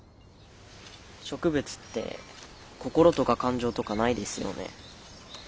植物って心とか感情とかないですよね。